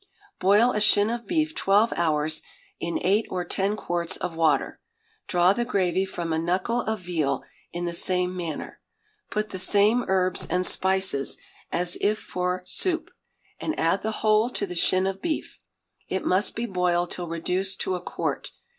Boil a shin of beef twelve hours in eight or ten quarts of water; draw the gravy from a knuckle of veal in the same manner; put the same herbs and spices as if for soup, and add the whole to the shin of beef. It must be boiled till reduced to a quart.